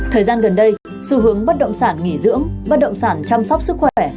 thời gian gần đây xu hướng bất động sản nghỉ dưỡng bất động sản chăm sóc sức khỏe